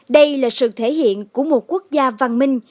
đây là sự thể hiện của một quốc gia văn minh